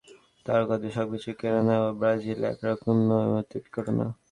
মাথায় বন্দুক ঠেকিয়ে ক্রীড়া তারকাদের সবকিছু কেড়ে নেওয়া ব্রাজিলে একরকম নৈমিত্তিক ঘটনা।